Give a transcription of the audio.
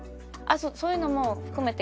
そういうのも含めて